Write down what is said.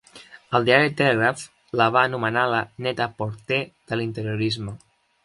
El diari Telegraph la va anomenar la "Net-a-Porter de l'interiorisme".